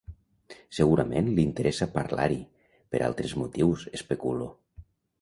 Segurament li interessa parlar-hi per altres motius —especulo.